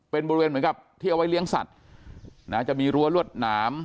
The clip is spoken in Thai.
เป็นบริเวณเหมือนกับที่เอาไว้เลี้ยงสัตว์นะจะมีรั้วรวดหนาม